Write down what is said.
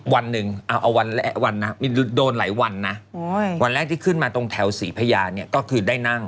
วันหนึ่งเอาวันนะโดนหลายวันนะวันแรกที่ขึ้นมาตรงแถวศรีพญาเนี่ยก็คือได้นั่ง